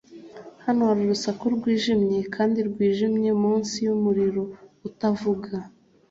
hano hari urusaku rwijimye kandi rwijimye munsi yumuriro utavuga